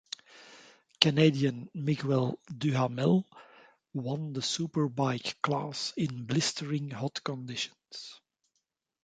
Canadian Miguel Duhamel won the superbike class in blistering hot conditions.